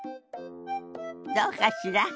どうかしら？